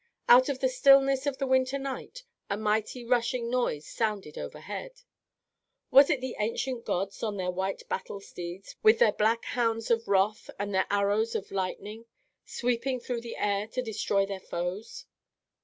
Out of the stillness of the winter night, a mighty rushing noise sounded overhead. Was it the ancient gods on their white battlesteeds, with their black hounds of wrath and their arrows of lightning, sweeping through the air to destroy their foes?